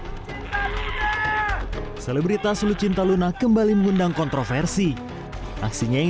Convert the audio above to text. hai selalu cinta luna selebritas lucinta luna kembali mengundang kontroversi aksinya yang